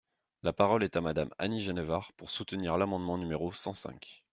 La parole est à Madame Annie Genevard, pour soutenir l’amendement numéro cent cinq.